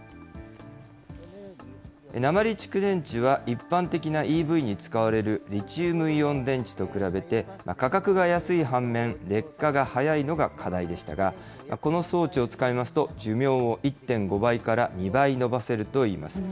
鉛蓄電池は、一般的なＥＶに使われるリチウムイオン電池と比べて価格が安い反面、劣化が早いのが課題でしたが、この装置を使いますと、寿命を１．５倍から２倍延ばせるといいます。